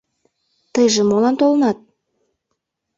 Тыйже молан толынат?